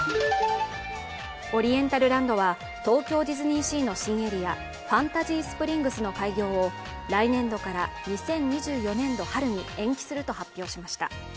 オリエンタルランドは東京ディズニーシーの新エリアファンタジースプリングスの開業を来年度から２０２４年度春に延期すると発表しました。